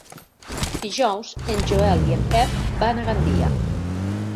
Dijous en Joel i en Pep van a Gandia.